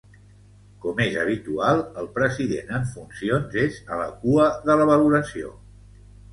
Com és habitual, el president en funcions és a la cua de la valoració.